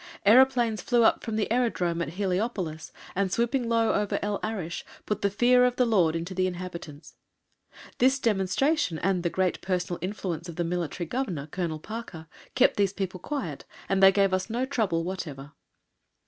Aeroplanes flew up from the Aerodrome at Heliopolis, and swooping low over El Arish put the fear of the Lord into the inhabitants; this demonstration, and the great personal influence of the Military Governor, Colonel Parker, kept these people quiet, and they gave us no trouble whatever.